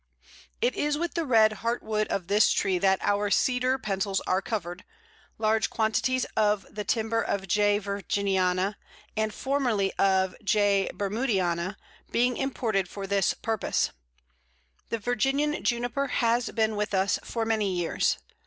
It is with the red heart wood of this tree that our "cedar" pencils are covered, large quantities of the timber of J. virginiana, and formerly of J. bermudiana, being imported for the purpose. The Virginian Juniper has been with us for many years.